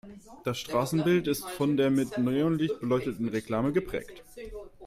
Das Straßenbild ist von der mit Neonlicht beleuchteten Reklame geprägt.